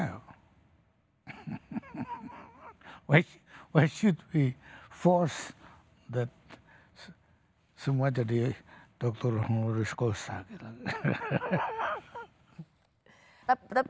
kenapa harus kita memaksa semua jadi dokter mengurus kosa gitu